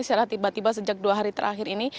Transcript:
secara tiba tiba sejak dua hari terakhir ini